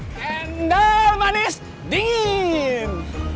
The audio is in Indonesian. cendol manis dingin